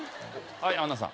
はいアンナさん。